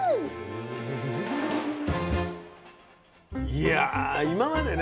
いや今までね